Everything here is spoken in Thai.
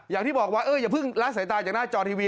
อย่างที่บอกว่าอย่าเพิ่งละสายตาจากหน้าจอทีวี